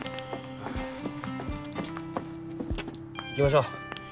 行きましょう。